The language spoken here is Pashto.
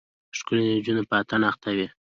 ښکلې نجونه په اتڼ اخته وې.